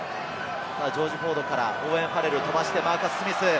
ジョージ・フォードからオーウェン・ファレル飛ばしてマーカス・スミス。